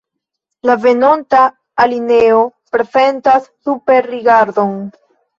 La venonta alineo prezentas superrigardon.